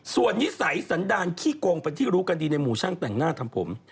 ส่วนนิสัยสันดาลขี้โกงเป็นที่รู้กันดีในหมู่ช่างแต่งหน้าทำผม